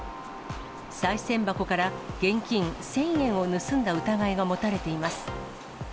さい銭箱から現金１０００円を盗んだ疑いが持たれています。